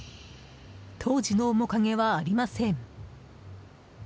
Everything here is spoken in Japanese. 当時の面影はありません。